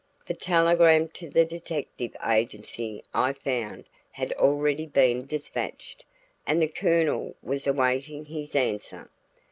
The telegram to the detective agency, I found, had already been dispatched, and the Colonel was awaiting his answer.